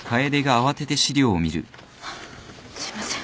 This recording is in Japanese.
あっすいません